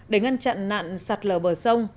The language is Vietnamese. để ngăn chặn nạn sạt lờ bờ sông